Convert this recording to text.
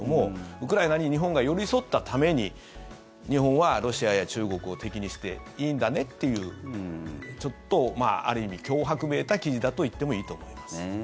ウクライナに日本が寄り添ったために日本はロシアや中国を敵にしていいんだねっていうちょっと、ある意味脅迫めいた記事だと言ってもいいと思います。